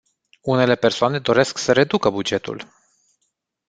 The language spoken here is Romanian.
Unele persoane doresc să reducă bugetul.